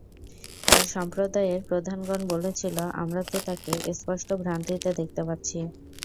তার সম্প্রদায়ের প্রধানগণ বলেছিল, আমরা তো তোমাকে স্পষ্ট ভ্রান্তিতে দেখতে পাচ্ছি।